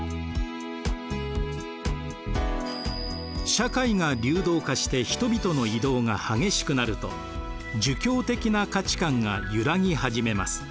社会が流動化して人々の移動が激しくなると儒教的な価値観が揺らぎ始めます。